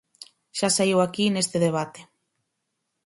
Xa saíu aquí neste debate.